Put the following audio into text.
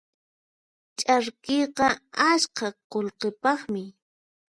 Ch'arkiyqa askha qullqipaqmi.